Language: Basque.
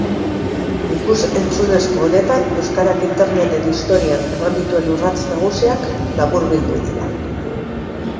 Ikus-entzunezko honetan, euskarak interneten historian eman dituen urrats nagusiak laburbildu dira.